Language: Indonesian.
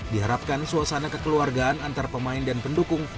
diharapkan suasana kekeluargaan antara pemain dan pendukung